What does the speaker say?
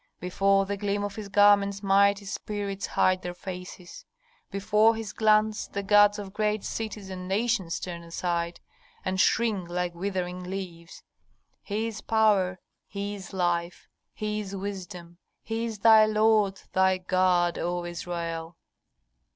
"Before the gleam of His garments mighty spirits hide their faces. Before His glance the gods of great cities and nations turn aside and shrink like withering leaves. "He is power, He is life, He is wisdom. He is thy Lord, thy God, O Israel!"